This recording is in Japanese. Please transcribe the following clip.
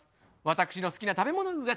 私の好きな食べ物は。